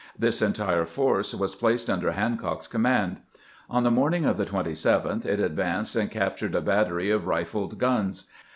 This entire force was placed under Hancock's command. On the morning of the 27th it advanced and captured a battery of rifled guns.